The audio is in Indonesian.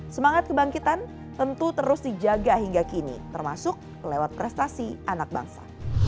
semangat kebangkitan tentu terus dijaga hingga kini termasuk lewat prestasi anak bangsa